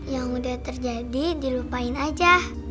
yang udah terjadi dilupain aja